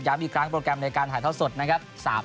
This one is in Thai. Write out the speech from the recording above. อีกครั้งโปรแกรมในการถ่ายท่อสดนะครับ